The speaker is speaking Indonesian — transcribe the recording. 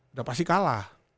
udah pasti kalah